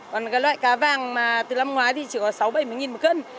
còn cái loại cá vàng từ năm ngoái thì chỉ có sáu mươi bảy mươi nghìn một cân